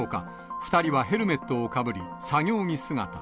２人はヘルメットをかぶり、作業着姿。